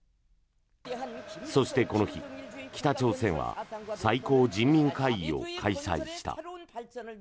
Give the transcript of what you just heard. そしてこの日、北朝鮮は最高人民会議を開催した。